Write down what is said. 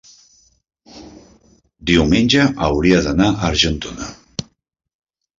diumenge hauria d'anar a Argentona.